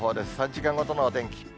３時間ごとのお天気。